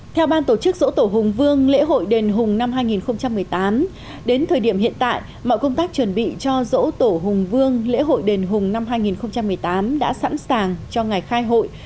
theo ban tổ chức dỗ tổ hùng vương lễ hội đền hùng năm hai nghìn một mươi tám đến thời điểm hiện tại mọi công tác chuẩn bị cho dỗ tổ hùng vương lễ hội đền hùng năm hai nghìn một mươi tám đã sẵn sàng cho ngày khai hội